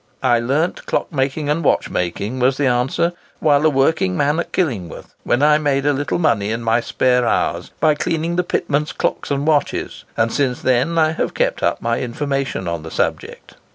"I learnt clockmaking and watchmaking," was the answer, "while a working man at Killingworth, when I made a little money in my spare hours, by cleaning the pitmen's clocks and watches; and since then I have kept up my information on the subject."